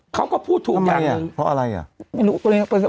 เขาก็พูดถูกอย่างหนึ่งทำไมอ่ะเพราะอะไรอ่ะ